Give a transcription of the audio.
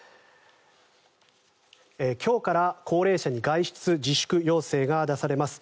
今日から高齢者に外出自粛要請が出されます。